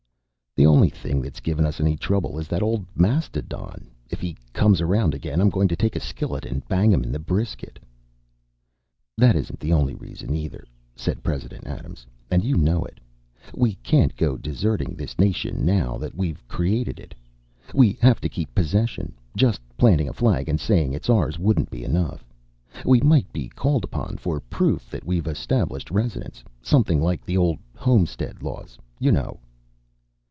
"The only thing that's given us any trouble is that old mastodon. If he comes around again, I'm going to take a skillet and bang him in the brisket." "That isn't the only reason, either," said President Adams, "and you know it. We can't go deserting this nation now that we've created it. We have to keep possession. Just planting a flag and saying it's ours wouldn't be enough. We might be called upon for proof that we've established residence. Something like the old homestead laws, you know."